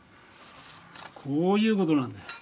こういうことなんだよ。